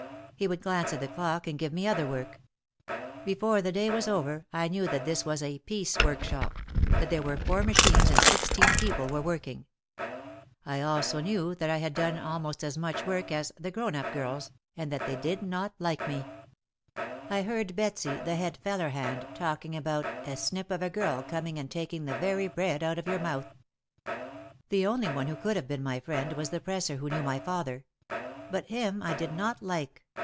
He would glance at the clock and give me other work. Before the day was over I knew that this was a "piece work shop," that there were four machines and sixteen people were working. I also knew that I had done almost as much work as "the grown up girls" OUT OF THE SHADOW in and that they did not like me. I heard Betsy, the head feller hand, talking about "a snip of a girl coming and taking the very bread out of your mouth/' The only one who could have been my friend was the presser who knew my father. But him I did not like.